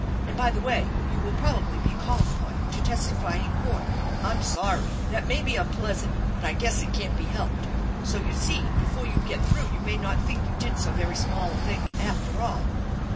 And, by the way, you will probably be called upon to testify in court. I'm sorry. That may be unpleasant, but I guess it can't be helped, so you see before you get through you may not think you did so very small a thing after all.